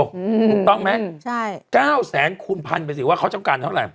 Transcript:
ถูกต้องไหมใช่เก้าแสนคูณพันไปสิว่าเขาต้องการเท่าไหร